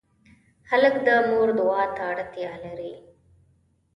هلک د مور دعا ته اړتیا لري.